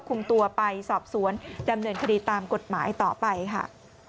คุมตัวไปสอบสวนดำเนินคดีตามกฎหมายต่อไปค่ะ